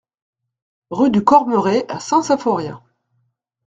Rue du Cormeret à Saint-Symphorien